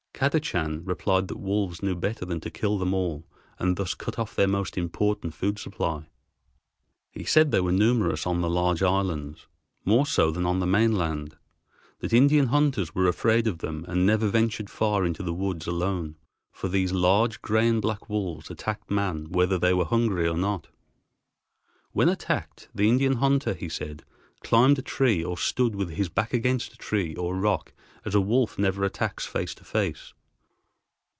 Kadachan replied that wolves knew better than to kill them all and thus cut off their most important food supply. He said they were numerous on all the large islands, more so than on the mainland, that Indian hunters were afraid of them and never ventured far into the woods alone, for these large gray and black wolves attacked man whether they were hungry or not. When attacked, the Indian hunter, he said, climbed a tree or stood with his back against a tree or rock as a wolf never attacks face to face.